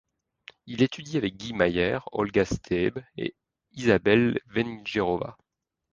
Il étudie avec Guy Maier, Olga Steeb et Isabelle Vengerova.